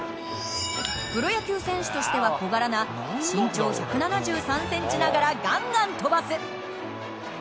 プロ野球選手としては小柄な身長１７３センチながらガンガン飛ばす！